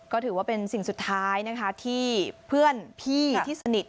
ก็ถือว่าเป็นสิ่งสุดท้ายนะคะที่เพื่อนพี่ที่สนิท